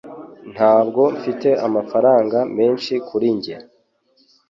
Ntabwo mfite amafaranga menshi kuri njye